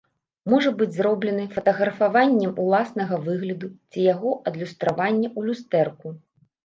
Можа быць зроблены фатаграфаваннем уласнага выгляду ці яго адлюстравання ў люстэрку.